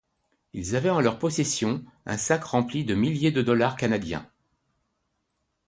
Ils avaient en leur possession un sac rempli de milliers de dollars canadiens.